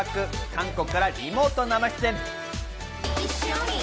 韓国からリモート生出演。